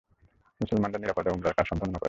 মুসলমানরা নিরাপদে উমরার কাজ সম্পন্ন করে।